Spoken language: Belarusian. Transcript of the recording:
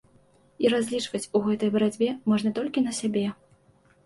І разлічваць у гэтай барацьбе можна толькі на сябе.